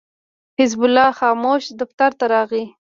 حزب الله خاموش دفتر ته راغی.